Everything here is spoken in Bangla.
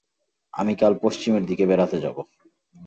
আমি কাল পশ্চিমের দিকে বেড়াতে যাবো।